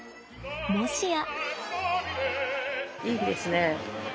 もしや。